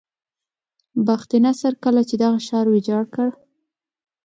بخت نصر کله چې دغه ښار ویجاړ کړ.